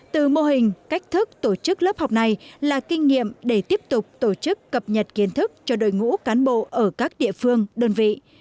từ mô hình cách thức tổ chức lớp học này là kinh nghiệm để tiếp tục tổ chức cập nhật kiến thức cho đội ngũ cán bộ ở các địa phương đơn vị